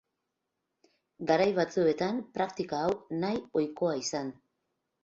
Garai batzuetan praktika hau nahi ohikoa izan.